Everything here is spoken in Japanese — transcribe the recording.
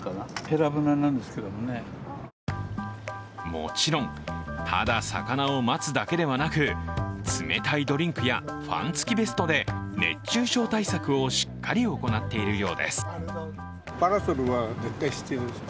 もちろん、ただ魚を待つだけではなく、冷たいドリンクや、ファン付きベストで熱中症対策をしっかり行っているようです。